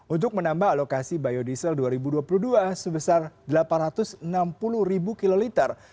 untuk menambah alokasi biodiesel dua ribu dua puluh dua sebesar delapan ratus enam puluh ribu kiloliter